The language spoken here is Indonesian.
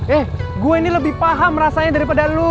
eh gue ini lebih paham rasanya daripada lu